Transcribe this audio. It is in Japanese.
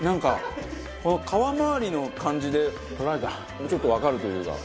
この皮まわりの感じでちょっとわかるというか。